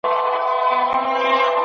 د سهار هوا د سږو لپاره ګټوره ده.